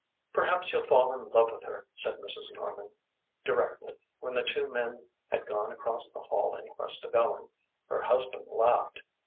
"Perhaps he'll fall in love with her," said Mrs. Norman, directly, when the two men had gone across the hall in quest of Ellen. Her husband laughed.